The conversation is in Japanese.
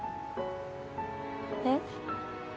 えっ？